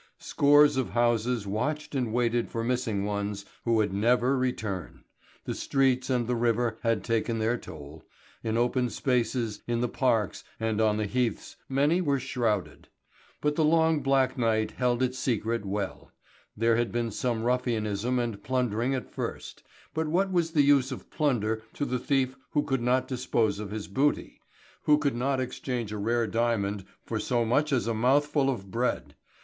Scores of houses watched and waited for missing ones who would never return, the streets and the river had taken their toll, in open spaces, in the parks, and on the heaths many were shrouded. But the long black night held its secret well. There had been some ruffianism and plundering at first. But what was the use of plunder to the thief who could not dispose of his booty, who could not exchange a rare diamond for so much as a mouthful of bread?